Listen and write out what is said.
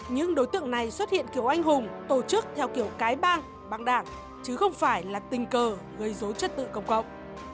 những đối tượng này xuất hiện kiểu anh hùng tổ chức theo kiểu cái bang băng đảng chứ không phải là tình cờ gây dối chất tự công cộng